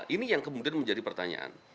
ini yang kemudian menjadi pertanyaan